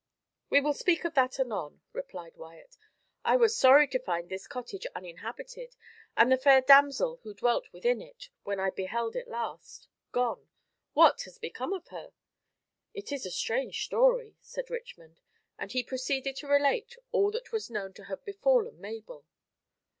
"We will speak of that anon," replied Wyat. "I was sorry to find this cottage uninhabited, and the fair damsel who dwelt within it, when I beheld it last, gone. What has become of her? "It is a strange story," said Richmond. And he proceeded to relate all that was known to have befallen Mabel.